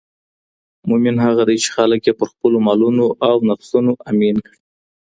مومن هغه دی، چي خلک ئې پر خپلو مالونو او نفسونو آمين کړي